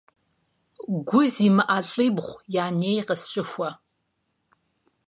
Гу зимыӀэ лӀибгъу я ней къысщыхуэ.